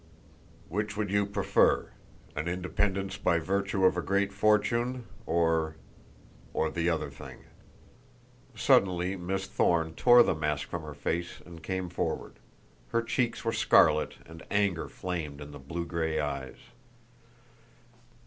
"Which would you prefer? An independence by virtue of a great fortune, or or the other thing?" Suddenly Miss Thorne tore the mask from her face and came forward. Her cheeks were scarlet, and anger flamed in the blue gray eyes.